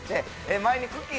前にくっきー！